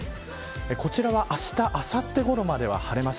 こちらはあした、あさってごろまでは晴れます。